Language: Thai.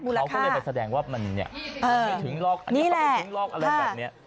มูลค่าเขาก็เลยไปแสดงว่ามันเนี่ยไม่ถึงลอกนี่แหละไม่ถึงลอกอะไรแบบเนี่ย